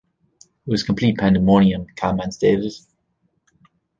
"It was complete pandemonium," Kallman stated.